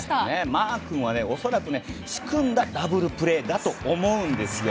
マー君はおそらく仕組んだダブルプレーだと思うんです